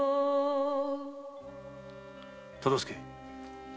忠相！